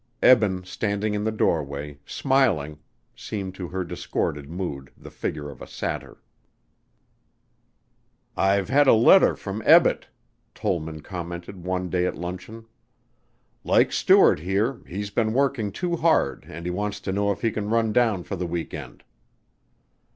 Eben standing in the doorway, smiling, seemed to her disordered mood the figure of a Satyr. "I've had a letter from Ebbett," Tollman commented one day at luncheon. "Like Stuart here, he's been working too hard and he wants to know if he can run down for the week end."